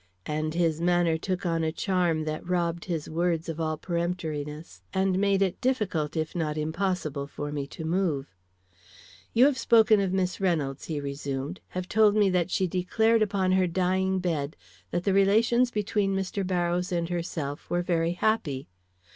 And his manner took on a charm that robbed his words of all peremptoriness, and made it difficult, if not impossible, for me to move. "You have spoken of Miss Reynolds," he resumed; "have told me that she declared upon her dying bed that the relations between Mr. Barrows and herself were very happy.